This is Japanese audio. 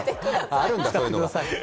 あるんだ、そういうのが。